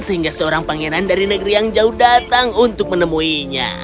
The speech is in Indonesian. sehingga seorang pangeran dari negeri yang jauh datang untuk menemuinya